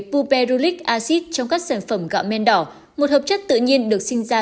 puperulic acid trong các sản phẩm gạo men đỏ một hợp chất tự nhiên được sinh ra